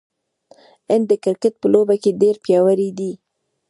هند د کرکټ په لوبه کې ډیر پیاوړی دی.